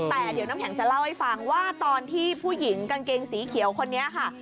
แต่เดี๋ยวน้ำแข็งจะเล่าให้ฟังว่าตอนที่ผู้หญิงกางเกงสีเขียวคนนี้ค่ะ